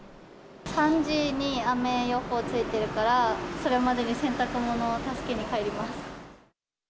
３時に雨予報ついてるから、それまでに洗濯物を助けに帰ります。